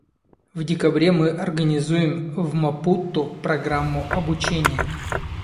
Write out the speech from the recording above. В декабре мы организуем в Мапуту программу обучения.